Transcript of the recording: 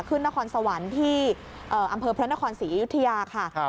นครสวรรค์ที่อำเภอพระนครศรีอยุธยาค่ะ